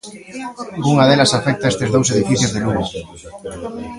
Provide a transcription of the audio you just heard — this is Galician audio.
Unha delas afecta a estes dous edificios de Lugo.